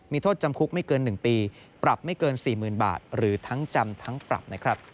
มีโทษจำคุกไม่เกิน๑ปีปรับไม่เกิน๔๐๐๐บาทหรือทั้งจำทั้งปรับนะครับ